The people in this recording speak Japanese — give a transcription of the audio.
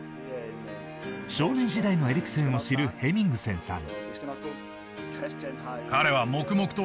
少年時代のエリクセンを知るヘミングセンさん。